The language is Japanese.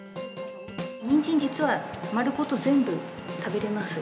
ニンジン、実は丸ごと全部食べれます。